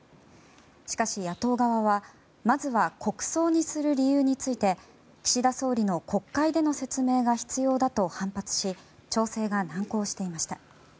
しかし、野党側はまずは国葬にする理由について岸田総理の国会での説明が必要だと反発し調整が難航していました。